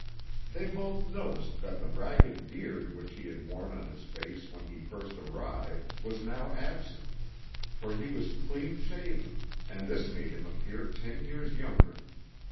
They both noticed that the ragged beard which he had worn on his face when he first arrived was now absent; for he was clean shaven, and this made him appear ten years younger.